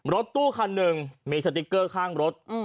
รถตู้คันหนึ่งมีสติ๊กเกอร์ข้างรถ